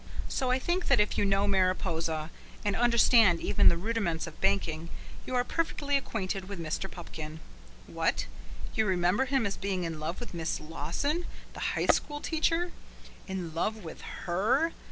So I think that if you know Mariposa and understand even the rudiments of banking, you are perfectly acquainted with Mr. Pupkin. What? You remember him as being in love with Miss Lawson, the high school teacher? In love with HER?